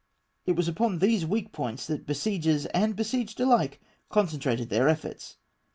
It was upon these weak points that besiegers and besieged alike concentrated their efforts.